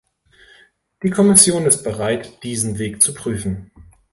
Die Kommission ist bereit, diesen Weg zu prüfen.